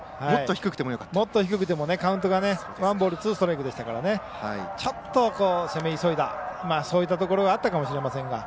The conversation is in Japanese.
もっと低くてもカウントがワンボールツーストライクでしたからちょっと攻め急いだところがあったかもしれませんが。